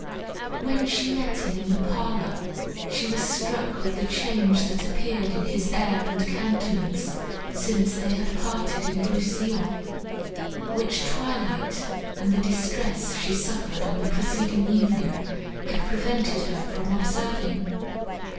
When she met him in the parlour, she was struck with the change that appeared in his air and countenance since they had parted in Rousillon, which twilight and the distress she suffered on the preceding evening had prevented her from observing.